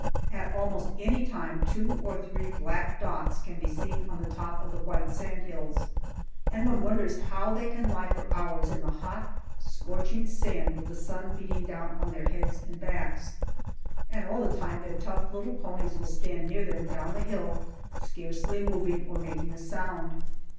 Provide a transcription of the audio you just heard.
At almost any time two or three black dots can be seen on the top of the white sand hills, and one wonders how they can lie for hours in the hot, scorching sand with the sun beating down on their heads and backs. And all the time their tough little ponies will stand near them, down the hill, scarcely moving or making a sound.